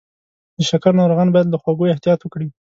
د شکر ناروغان باید له خوږو احتیاط وکړي.